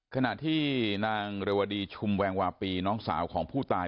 ขณะที่นางเรวดีชุมแวงวาปีน้องสาวของผู้ตาย